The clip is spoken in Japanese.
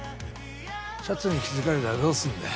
サツに気付かれたらどうすんだ？